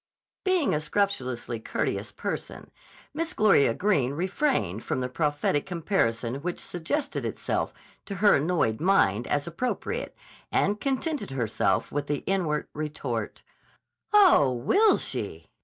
Being a scrupulously courteous person Miss Gloria Greene refrained from the prophetic comparison which suggested itself to her annoyed mind as appropriate, and contented herself with the inward retort: "Oh, will she!